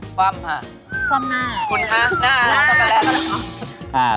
ความหน้าคุณคะหน้าช็อกโกแลต